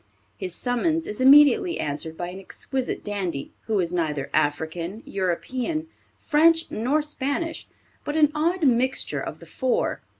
His summons is immediately answered by an exquisite dandy, who is neither African, European, French, nor Spanish, but an odd mixture of the four.